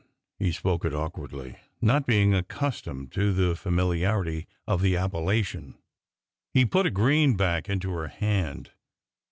He spoke it awkwardly, not being accustomed to the familiarity of the appellation. He put a greenback into her hand.